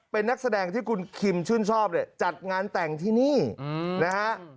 เป็นนักแสดงที่คุณคิมชื่นชอบเนี่ยจัดงานแต่งที่นี่นะฮะ